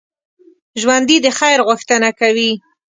ژوندي د خیر غوښتنه کوي